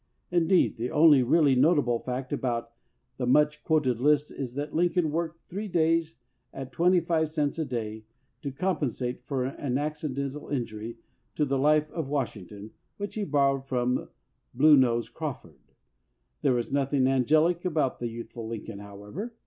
Indeed, the only really notable fact about the much quoted list is that Lincoln worked three days at twenty five cents a day to compen sate for an accidental injury to the "Life of Washington," which he borrowed from "Blue Nose" Crawford. There was nothing angelic about the youthful Lincoln, however.